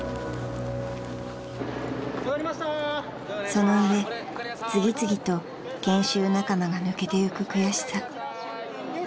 ［その上次々と研修仲間が抜けてゆく悔しさ］